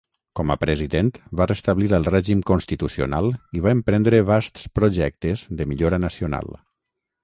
Com a president, va restablir el règim constitucional i va emprendre vasts projectes de millora nacional.